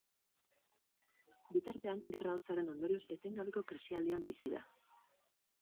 Bitartean, Gerra Hotzaren ondorioz etengabeko krisialdian bizi da.